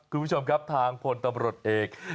คุณผู้ชมครับทางพลตำรวจเอก